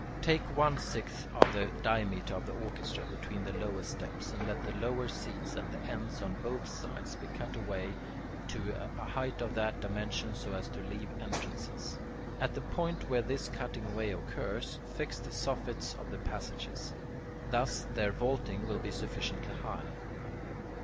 Take one sixth of the diameter of the orchestra between the lowest steps, and let the lower seats at the ends on both sides be cut away to a height of that dimension so as to leave entrances (O, P). At the point where this cutting away occurs, fix the soffits of the passages. Thus their vaulting will be sufficiently high.